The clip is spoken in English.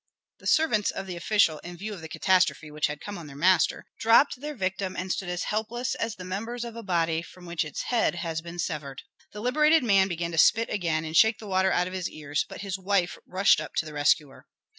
The servants of the official, in view of the catastrophe which had come on their master, dropped their victim and stood as helpless as the members of a body from which its head has been severed. The liberated man began to spit again and shake the water out of his ears, but his wife rushed up to the rescuer.